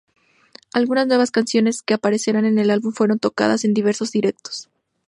Algunas nuevas canciones que aparecerán en el álbum fueron tocadas en diversos directos.